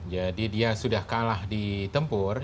jadi dia sudah kalah di tempur